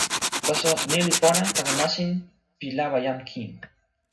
taso ni li pona tawa nasin pi lawa jan kin.